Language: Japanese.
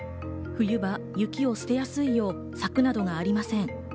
冬は雪の捨てやすいよう柵などがありません。